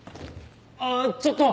あちょっと。